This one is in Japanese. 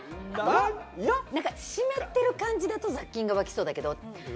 湿ってる感じだと、雑菌殺菌がわきそうだけど。